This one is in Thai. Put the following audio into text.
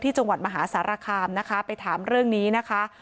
จังหวัดมหาสารคามนะคะไปถามเรื่องนี้นะคะ